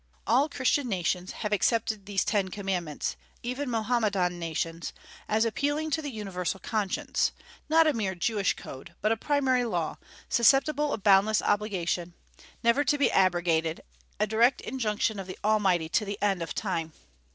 All Christian nations have accepted these Ten Commandments, even Mohammedan nations, as appealing to the universal conscience, not a mere Jewish code, but a primary law, susceptible of boundless obligation, never to be abrogated; a direct injunction of the Almighty to the end of time.